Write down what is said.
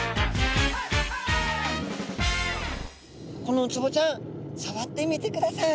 このウツボちゃんさわってみてください。